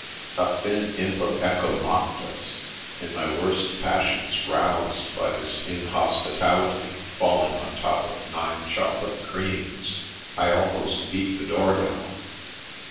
A thin imp of echo mocked us, and, my worst passions roused by this inhospitality falling on top of nine chocolate creams, I almost beat the door down.